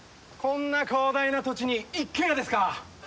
こんな広大な土地に一軒家ですか。